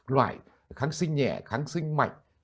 loại kháng sinh nhẹ kháng sinh mạnh